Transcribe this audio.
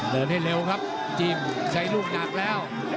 เดินให้เร็วครับจีมใช้ลูกหนักแล้ว